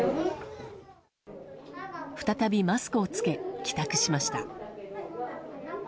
再びマスクを着け帰宅しました。